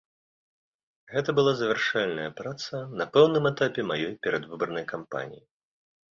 Гэта была завяршальная праца на пэўным этапе маёй перадвыбарнай кампаніі.